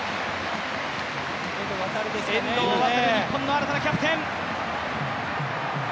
遠藤航、日本の新たなキャプテン！